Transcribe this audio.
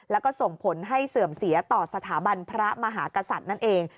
แล้วก็ส่งผลให้เสื่อมเสียต่อสถาบันพระมหากษัตริย์นั่นเอง